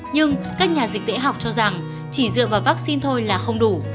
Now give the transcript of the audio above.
nhưng các nhà dịch tễ học cho rằng chỉ dựa vào vắc xin thôi là không đủ